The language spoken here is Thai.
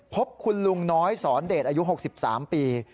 พบคุณลุงน้อยสอนเดชอายุ๖๓ปี